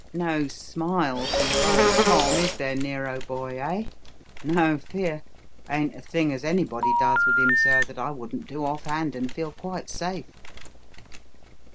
No 'smile' for your old Tom, is there, Nero, boy, eh? No fear! Ain't a thing as anybody does with him, sir, that I wouldn't do off hand and feel quite safe."